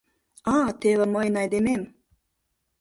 — А, теве мыйын айдемем!